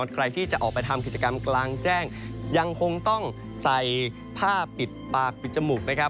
ใครที่จะออกไปทำกิจกรรมกลางแจ้งยังคงต้องใส่ผ้าปิดปากปิดจมูกนะครับ